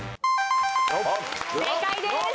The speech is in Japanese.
正解です！